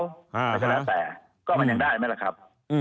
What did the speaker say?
แต่ก็แล้วแต่ก็มันยังได้ไหมล่ะครับ